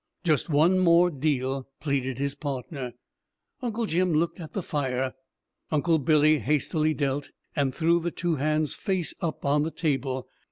"Just one more deal," pleaded his partner. Uncle Jim looked at the fire, Uncle Billy hastily dealt, and threw the two hands face up on the table.